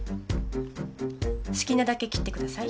好きなだけきってください。